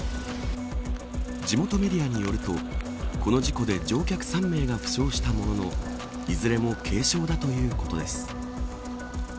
地元メディアによるとこの事故で乗客３名が負傷したもののいずれも軽傷だということです。